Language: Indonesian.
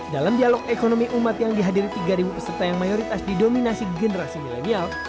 dalam dialog ekonomi umat yang dihadiri tiga peserta yang mayoritas didominasi generasi milenial